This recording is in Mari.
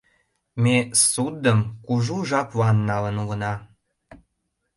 Ме ссудым кужу жаплан налын улына.